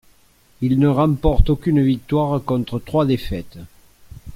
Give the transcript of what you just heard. Il ne remporte aucune victoire contre trois défaites.